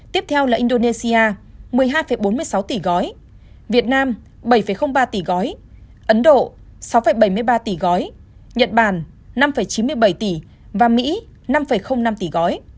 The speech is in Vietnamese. tiếp theo là indonesia một mươi hai bốn mươi sáu tỷ gói việt nam bảy ba tỷ gói ấn độ sáu bảy mươi ba tỷ gói nhật bản năm chín mươi bảy tỷ và mỹ năm năm tỷ gói